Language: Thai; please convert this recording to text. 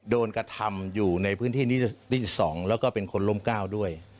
โดนกระทำอยู่ในพื้นที่นี้ที่๒แล้วก็เป็นคนล่มก้าวด้วย